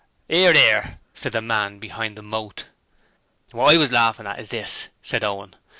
''Ear, 'ear,' said the man behind the moat. 'What I was laughing at is this,' said Owen.